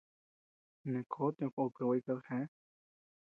Neʼë kó tiʼö ko, per gua jikadi geá.